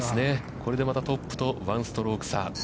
これでまたトップと１ストローク差。